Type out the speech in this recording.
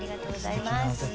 すてきな歌。